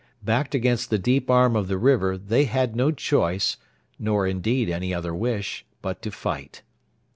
Backed against the deep arm of the river they had no choice, nor indeed any other wish, but to fight.